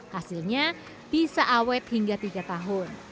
hasilnya bisa awet hingga tiga tahun